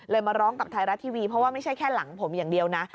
มาร้องกับไทยรัฐทีวีเพราะว่าไม่ใช่แค่หลังผมอย่างเดียวนะ